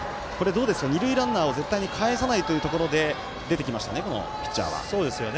二塁ランナーを絶対に、かえさないというころで出てきましたね、このピッチャー。